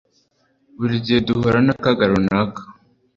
Buri gihe duhura n'akaga runaka.